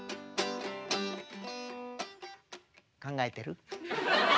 考えてる？